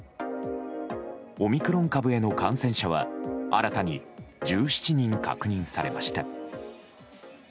オミクロン株への感染者は新たに１７人確認されました。